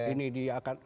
ini dia akan